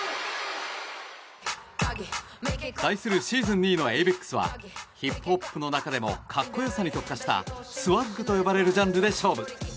対するシーズン２位のエイベックスはヒップホップの中でも格好良さに特化したＳＷＡＧと呼ばれるジャンルで勝負。